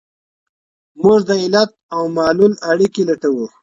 موږ د علت او معلول اړیکي لټوو.